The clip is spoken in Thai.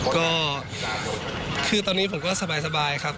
ก็คือตอนนี้ผมก็สบายครับ